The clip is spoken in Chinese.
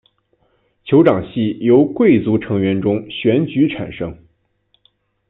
酋长系由贵族成员中选举产生。